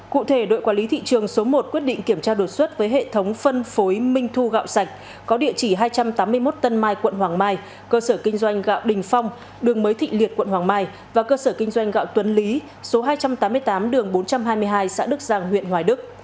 cụ thể đội quản lý thị trường số một quyết định kiểm tra đột xuất với hệ thống phân phối minh thu gạo sạch có địa chỉ hai trăm tám mươi một tân mai quận hoàng mai cơ sở kinh doanh gạo đình phong đường mới thị liệt quận hoàng mai và cơ sở kinh doanh gạo tuấn lý số hai trăm tám mươi tám đường bốn trăm hai mươi hai xã đức giang huyện hoài đức